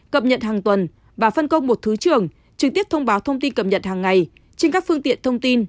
không một thứ trưởng trực tiếp thông báo thông tin cập nhận hàng ngày trên các phương tiện thông tin